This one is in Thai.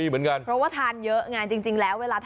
อารมณ์ของแม่ค้าอารมณ์การเสิรฟนั่งอยู่ตรงกลาง